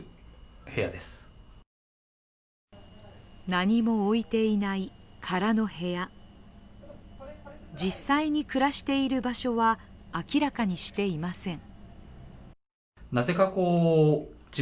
何も置いてない空の部屋、実際に暮らしている場所は明らかにしていません。